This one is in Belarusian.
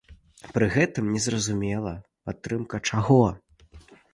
Пры гэтым незразумела, падтрымка чаго?